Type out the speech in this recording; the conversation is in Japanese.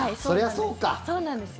そうなんですよ。